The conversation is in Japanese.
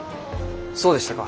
そうでしたか。